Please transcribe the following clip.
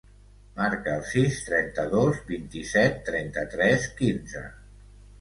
Marca el sis, trenta-dos, vint-i-set, trenta-tres, quinze.